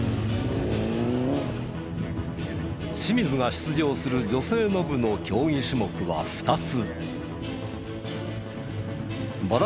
清水が出場する女性の部の競技種目は２つ。